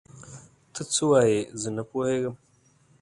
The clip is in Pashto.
ته څه وايې؟ زه نه پوهيږم.